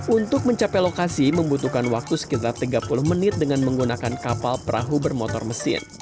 untuk mencapai lokasi membutuhkan waktu sekitar tiga puluh menit dengan menggunakan kapal perahu bermotor mesin